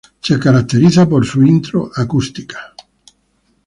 Se caracteriza por su intro acústica.